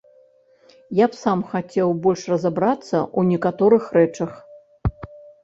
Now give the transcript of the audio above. Я б сам хацеў больш разабрацца ў некаторых рэчах.